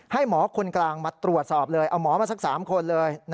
ให้หมอคนกลางมาตรวจสอบเลยเอาหมอมาสัก๓คนเลย